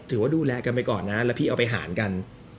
ถือว่าดูแลกันไปก่อนนะแล้วพี่เอาไปหารกัน